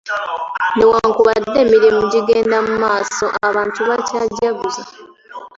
Newankubadde emirimu gigenda mu maaso, abantu bakyajaguza.